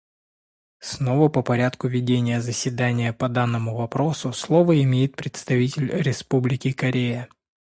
Снова по порядку ведения заседания по данному вопросу слово имеет представитель Республики Корея.